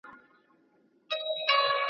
مستي خاموشه کیسې سړې دي `